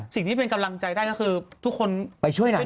สิ่งที่เป็นกำลังใจได้ก็คือทุกคนไปช่วยหลาน